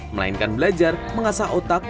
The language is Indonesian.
melainkan belajar mengasah otak